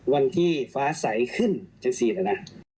วันที่ฟ้าใสขึ้นจะ๔แล้วนะ